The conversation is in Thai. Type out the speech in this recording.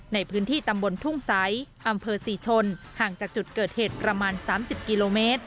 ในพื้นที่ตำบลทุ่งใสอำเภอศรีชนห่างจากจุดเกิดเหตุประมาณ๓๐กิโลเมตร